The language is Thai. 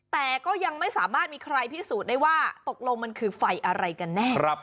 แต่ก็ยังไม่สามารถมีใครพิสูจน์ได้ว่าตกลงมันคือไฟอะไรกันแน่